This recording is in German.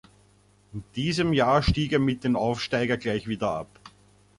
In diesem Jahr stieg er mit den Aufsteiger gleich wieder ab.